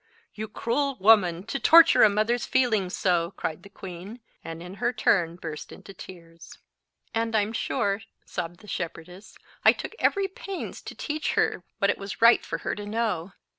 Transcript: "You cruel woman, to torture a mother's feelings so!" cried the queen, and in her turn burst into tears. "And I'm sure," sobbed the shepherdess, "I took every pains to teach her what it was right for her to know.